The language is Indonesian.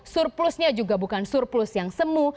surplusnya juga bukan surplus yang semu